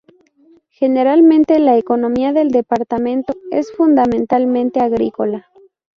Generalmente, la economía del departamento es fundamentalmente agrícola.